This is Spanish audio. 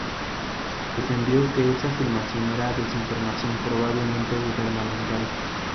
Defendió que esa filmación era desinformación probablemente gubernamental.